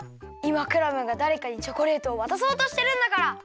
いまクラムがだれかにチョコレートをわたそうとしてるんだから！